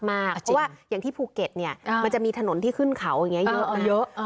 เพราะว่าอย่างที่ภูเก็ตเนี่ยมันจะมีถนนที่ขึ้นเขาอย่างนี้เยอะ